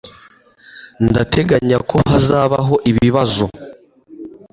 Ndateganya ko hazabaho ibibazo